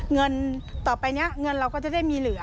เงินต่อไปนี้เงินเราก็จะได้มีเหลือ